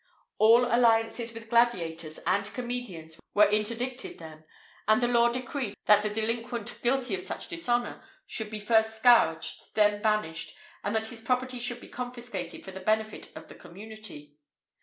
[IV 50] All alliances with gladiators and comedians were interdicted them; and the law decreed that the delinquent guilty of such dishonour should be first scourged, then banished, and that his property should be confiscated for the benefit of the community.